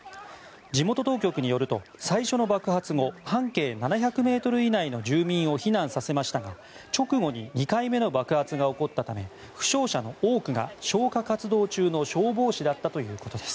地元当局によると最初の爆発後半径７００ｍ以内の住民を避難させましたが直後に２回目の爆発が起こったため負傷者の多くが消火活動中の消防士だったということです。